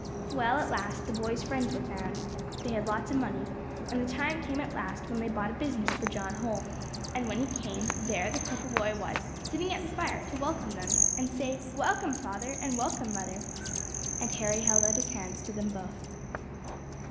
Well, at last the boy's friends were found. They had lots of money, and the time came at last when they bought a business for John Holl; and when he came, there the cripple boy was, sitting at the fire, to welcome them, and say, 'Welcome, father! and welcome, mother!'" and Harry held out his hands to them both.